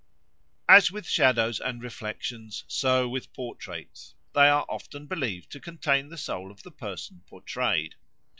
As with shadows and reflections, so with portraits; they are often believed to contain the soul of the person portrayed.